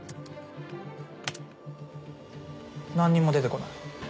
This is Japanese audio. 何にも出て来ない。